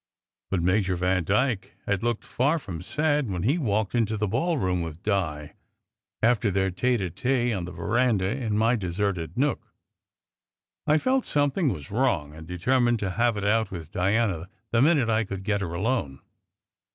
But Major Vandyke had looked far from sad when he walked into the ballroom with Di, after their tete a tete on the veranda in my deserted nook. I felt something was wrong, and determined to have it out with Diana the minute I could get her alone.